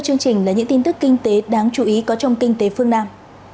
chương trình là những tin tức kinh tế đáng chú ý có trong kinh tế phương nam